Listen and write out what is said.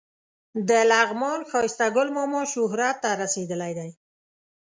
د لغمان ښایسته ګل ماما شهرت ته رسېدلی دی.